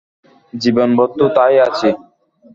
জীবনভর তো তাই আছি।